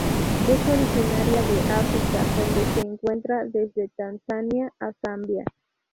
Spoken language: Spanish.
Es originaria de África, donde se encuentra desde Tanzania a Zambia.